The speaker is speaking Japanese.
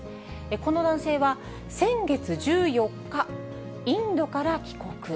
この男性は先月１４日、インドから帰国。